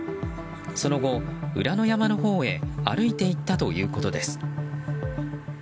その後、裏の山のほうへ歩いて行ったということです。